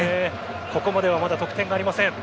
ここまではまだ得点がありません。